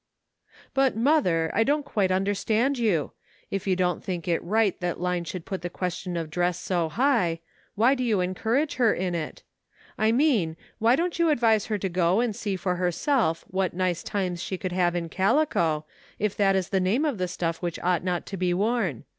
" But, mother, I don't quite understand you ; if you don't think it right that Line should put the question of dress so high, why do you en courage her in it ? I mean, why don't you ad vise her to go and see for herself what nice times she could have in calico, if that is the name of the stuff which ought not to be worn.